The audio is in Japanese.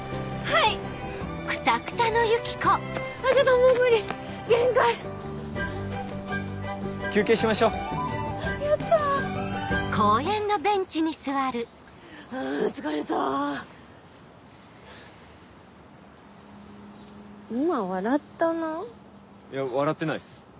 いや笑ってないっす。